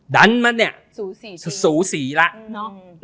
ดันมาเนี่ยสูสีแล้ว